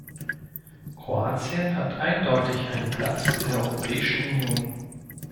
Kroatien hat eindeutig einen Platz in der Europäischen Union.